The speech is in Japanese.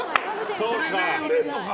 それで売れるのか。